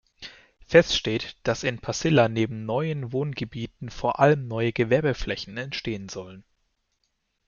Fest steht, dass in Pasila neben neuen Wohngebieten vor allem neue Gewerbeflächen entstehen sollen.